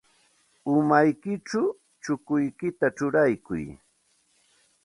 Umaykićhaw chukuykita churaykuy.